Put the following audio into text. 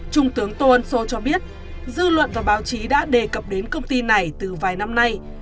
trung tướng tô ân sô cho biết dư luận và báo chí đã đề cập đến công ty này từ vài năm nay